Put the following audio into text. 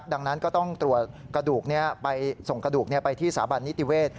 ดังนั้นก็ต้องส่งตรวจกระดูกไปสถาบันนิติเวศ